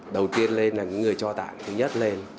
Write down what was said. đầu tiên lên là người cho tặng thứ nhất lên